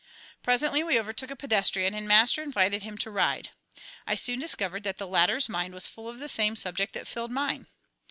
Presently we overtook a pedestrian, and Master invited him to ride. I soon discovered that the latter's mind was full of the same subject that filled mine.